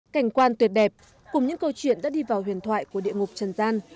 cảnh quan tuyệt đẹp cùng những câu chuyện đã đi vào huyền thoại của địa ngục trần gian